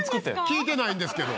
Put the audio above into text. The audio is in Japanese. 聞いてないんですけど。